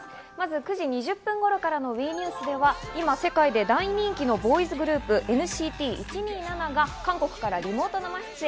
９時２０分頃からのＷＥニュースでは今世界で大人気のボーイズグループ・ＮＣＴ１２７が韓国からリモート生出演。